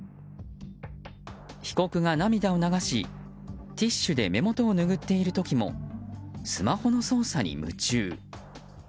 被告が涙を流し、ティッシュで目元を拭っている時もスマホの操作に夢中。